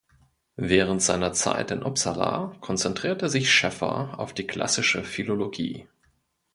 Während seiner Zeit in Uppsala konzentrierte sich Scheffer auf die Klassische Philologie.